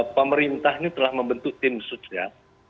pemerintah ini telah membentuk tim sus ya